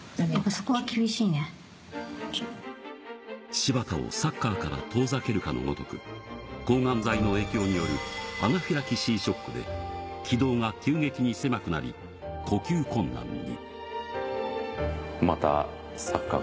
柴田をサッカーから遠ざけるかのごとく、抗がん剤の影響によるアナフィラキシーショックで、気道が急激に狭くなり呼吸困難に。